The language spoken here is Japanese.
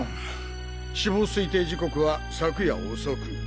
死亡推定時刻は昨夜遅く。